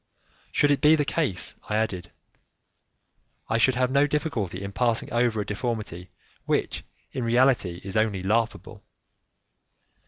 "Should it be the case," I added, "I should have no difficulty in passing over a deformity which, in reality, is only laughable.